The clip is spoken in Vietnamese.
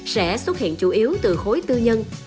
sẽ xuất hiện chủ yếu từ khối tư nhân